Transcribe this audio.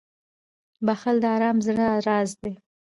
• بښل د ارام زړه راز دی.